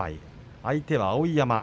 相手は碧山。